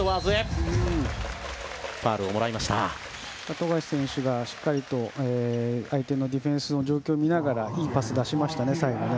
富樫選手がしっかりと相手のディフェンスの状況を見ながらいいパスを出しましたね。